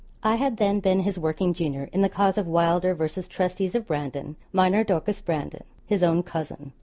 I had then been his working junior in the cause of Wylder v. Trustees of Brandon, minor Dorcas Brandon, his own cousin.